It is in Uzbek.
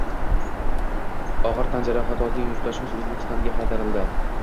Og‘ir tan jarohati olgan yurtdoshimiz O‘zbekistonga qaytarilding